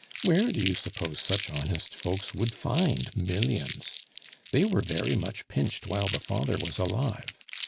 Where do you suppose such honest folks would find millions? They were very much pinched while the father was alive.